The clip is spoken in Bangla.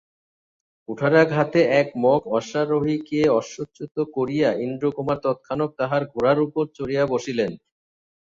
কুঠারাঘাতে এক মগ অশ্বারোহীকে অশ্বচ্যুত করিয়া ইন্দ্রকুমার তৎক্ষণাৎ তাহার ঘোড়ার উপর চড়িয়া বসিলেন।